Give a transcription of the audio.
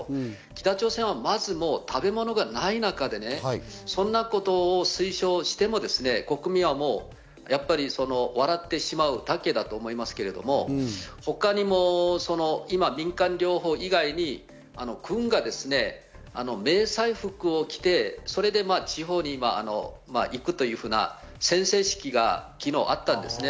北朝鮮はまず食べ物がない中で、そんなことを推奨しても、国民はもう笑ってしまうだけだと思いますけれども、民間療法以外に軍が迷彩服を着て、地方に行くというような宣誓式が昨日あったんですよね。